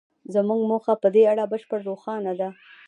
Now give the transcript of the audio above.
زموږ موخه په دې اړه بشپړه روښانه ده